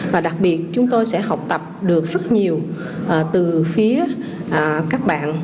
và đặc biệt chúng tôi sẽ học tập được rất nhiều từ phía các bạn